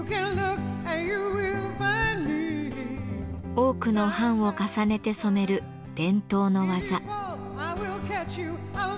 多くの版を重ねて染める伝統の技。